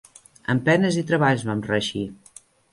Amb penes i treballs vam reeixir.